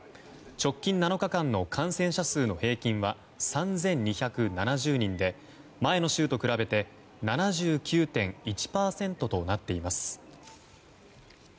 直近７日間の感染者の平均は３２７０人で前の週と比べて７９．１％となっています。